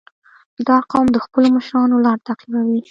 • دا قوم د خپلو مشرانو لار تعقیبوي.